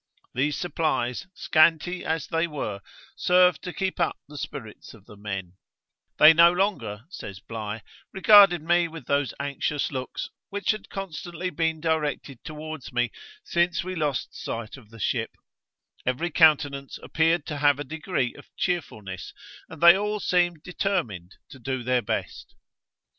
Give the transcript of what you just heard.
These supplies, scanty as they were, served to keep up the spirits of the men; 'They no longer, says Bligh, 'regarded me with those anxious looks, which had constantly been directed towards me, since we lost sight of the ship: every countenance appeared to have a degree of cheerfulness, and they all seemed determined to do their best.'